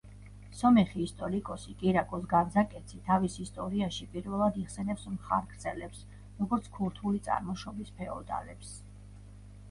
სომეხი ისტორიკოსი კირაკოს განძაკეცი თავის „ისტორიაში“ პირველად იხსენიებს მხარგრძელებს, როგორც ქურთული წარმოშობის ფეოდალებს.